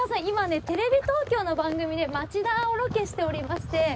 今テレビ東京の番組で町田をロケしておりまして。